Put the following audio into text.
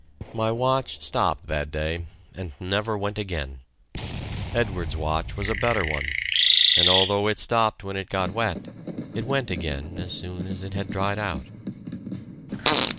My watch stopped that day, and never went again. Edwards's watch was a better one, and although it stopped when it got wet, it went again as soon as it had dried out.